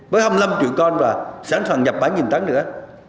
với hai mươi năm triệu con và sẵn sàng nhập bán nghìn tấn nữa